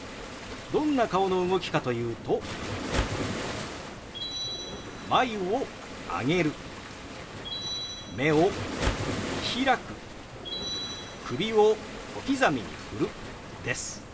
どんな顔の動きかというと眉を上げる目を見開く首を小刻みに振るです。